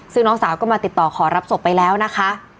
ซึ่งน้องสาวก็มาติดต่อขอรับศพไปแล้วนะคะ